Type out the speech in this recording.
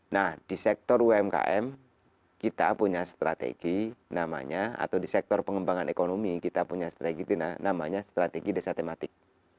nah di sektor umkm kita punya strategi namanya atau di sektor pengembangan ekonomi kita punya strategi namanya strategi desa tematik